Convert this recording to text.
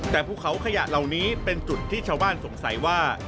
แต่ภูเขาขยะเหล่านี้เป็นจุดที่ชาวบ้านสงสัยว่า